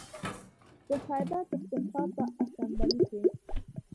د خیبر پښتونخوا په اسامبلۍ کې